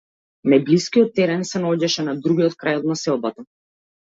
Најблискиот терен се наоѓаше на другиот крај од населбата.